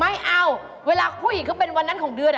ไม่เอาเวลาผู้หญิงเขาเป็นวันนั้นของเดือน